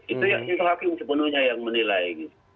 itu yang fonis hakim sepenuhnya yang menilai